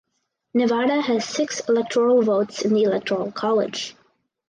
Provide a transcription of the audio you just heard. Nevada has six electoral votes in the Electoral College.